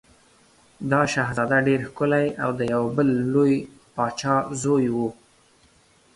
دا شهزاده ډېر ښکلی او د یو بل لوی پاچا زوی و.